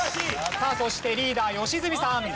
さあそしてリーダー良純さん。